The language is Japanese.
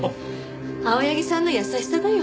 青柳さんの優しさだよ。